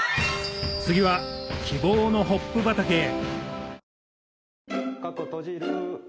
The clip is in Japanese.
次は希望のホップ畑へ！